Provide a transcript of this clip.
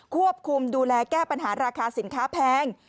ควบคุมดูแลแก้ปัญหาราคาสินค้าแพง